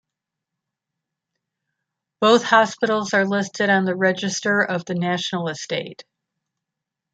Both hospitals are listed on the Register of the National Estate.